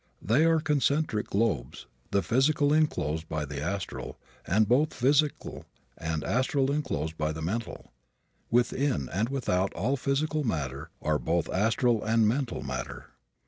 They are concentric globes, the physical enclosed by the astral, and both physical and astral enclosed by the mental. Within and without all physical matter are both astral and mental matter.